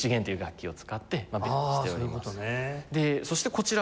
そしてこちら。